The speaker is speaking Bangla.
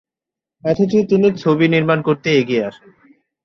অথচ তিনি ছবি নির্মাণ করতে এগিয়ে আসেন।